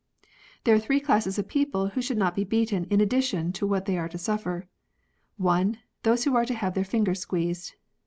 ]" There are three classes of people who should not be beaten in addition to what they are to suffer. (1.) Those who are to have their fingers squeezed.